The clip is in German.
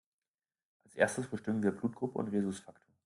Als Erstes bestimmen wir Blutgruppe und Rhesusfaktor.